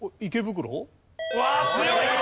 うわあ強い！